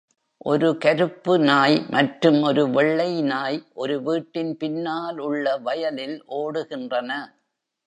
ஒரு கருப்பு நாய் மற்றும் ஒரு வெள்ளை நாய் ஒரு வீட்டின் பின்னால் உள்ள வயலில் ஓடுகின்றன.